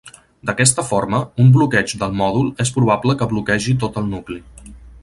D'aquesta forma, un bloqueig del mòdul és probable que bloquegi tot el nucli.